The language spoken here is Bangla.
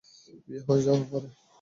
বিয়ে হয়ে যাওয়ার পরে?